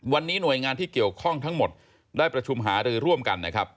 วันนี้หน่วยงานที่เกี่ยวข้องทั้งหมดได้ประชุมหารือร่วมกันนะครับ